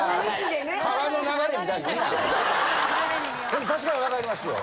でも確かに分かりますよ。